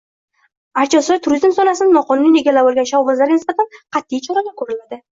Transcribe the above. Aqchasoy turizm zonasini noqonuniy egallab olgan shavvozlarga nisbatan qatʼiy chora koʻriladi.